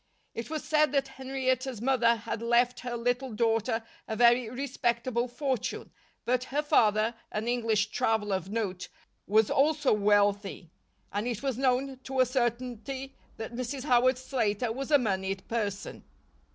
It was said that Henrietta's mother had left her little daughter a very respectable fortune, that her father, an English traveler of note, was also wealthy, and it was known to a certainty that Mrs. Howard Slater was a moneyed person.